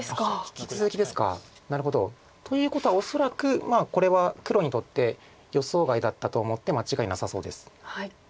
引き続きですかなるほど。ということは恐らくこれは黒にとって予想外だったと思って間違いなさそうです。